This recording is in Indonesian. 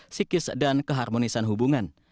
psikis dan keharmonisan hubungan